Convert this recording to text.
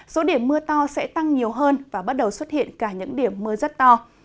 số điểm mưa to sẽ tăng nhiều hơn và bắt đầu xuất hiện cả những điểm mưa rất to